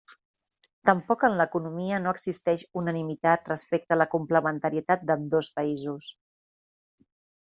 Tampoc en l'economia no existeix unanimitat respecte a la complementarietat d'ambdós països.